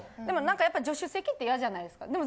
でも何かやっぱり助手席ってイヤじゃないですか。